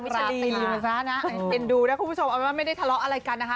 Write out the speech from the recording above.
กินกันซะนะเอ็นดูนะคุณผู้ชมเอาไม่ได้ทะเลาะอะไรกันนะคะ